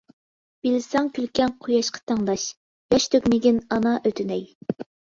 بىلسەڭ كۈلكەڭ قۇياشقا تەڭداش، ياش تۆكمىگىن ئانا ئۆتۈنەي.